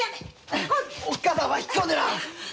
おっかさんは引っ込んでな。